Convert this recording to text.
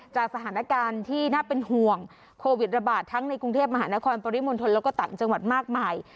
จากสถานการณ์ที่น่าเป็นห่วงโควิดระบาดทั้งในกรุงเทพมหานครปริมณฑลแล้วก็ต่างจังหวัดมากมาย